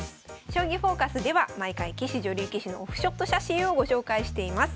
「将棋フォーカス」では毎回棋士女流棋士のオフショット写真をご紹介しています。